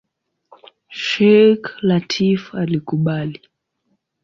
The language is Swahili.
Sheikh Lateef alikubali.